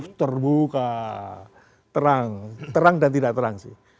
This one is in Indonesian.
oh terbuka terang terang dan tidak terang sih